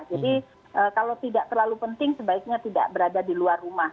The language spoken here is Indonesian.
jadi kalau tidak terlalu penting sebaiknya tidak berada di luar rumah